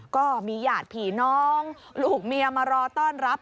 ก็มีญาติผีน้องลูกเมียมารอต้อนรับ